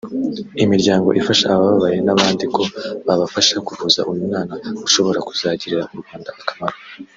imiryango ifasha abababaye n’abandi ko babafasha kuvuza uyu mwana ushobora kuzagirira u Rwanda akamaro